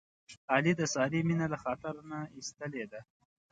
علي د سارې مینه له خاطر نه ایستلې ده.